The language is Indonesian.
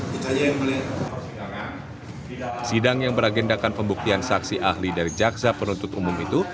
kita yang melihat sidang yang beragendakan pembuktian saksi ahli dari jaksa penuntut umum itu